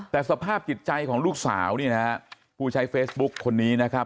แต่สภาพจิตใจของลูกสาวนี่นะฮะผู้ใช้เฟซบุ๊คคนนี้นะครับ